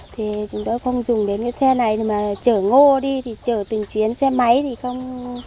thì chúng tôi không dùng đến cái xe này mà chở ngô đi thì chở từng chuyến xe máy thì không